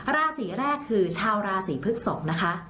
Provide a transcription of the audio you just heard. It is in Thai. ราศีแรกคือชาวราศีพฤกษกนะคะ